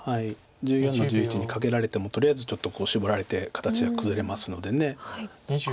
１４の十一にカケられてもとりあえずちょっとシボられて形が崩れますので。